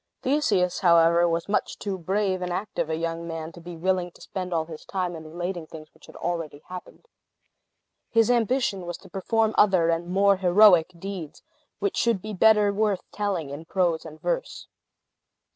Theseus, however, was much too brave and active a young man to be willing to spend all his time in relating things which had already happened. His ambition was to perform other and more heroic deeds, which should be better worth telling in prose and verse.